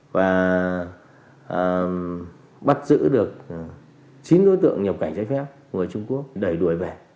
và bắt giữ được chín đối tượng nhập cảnh trái phép người trung quốc đẩy đuổi về